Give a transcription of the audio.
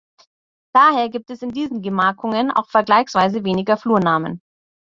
Daher gibt es in diesen Gemarkungen auch vergleichsweise weniger Flurnamen.